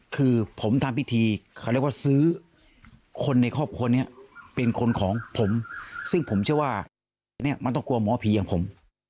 คือผมทำพิธีเขาเรียกว่าซื้อคนในครอบครัวนี้เป็นคนของผมซึ่งผมเชื่อว่าเนี่ยมันต้องกลัวหมอผีอย่างผม